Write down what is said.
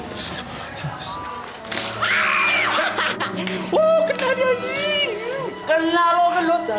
kena lo genut